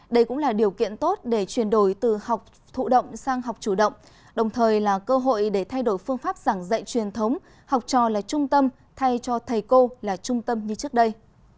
đây cũng là điều kiện tốt để chuyển đổi từ học thụ động sang học chủ động đồng thời là cơ hội để thay đổi phương pháp giảng dạy truyền thống học trò là trung tâm thay cho thầy cô là trung tâm như trước đây